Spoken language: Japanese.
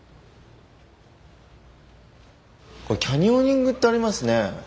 これキャニオニングってありますね。